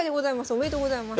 ありがとうございます。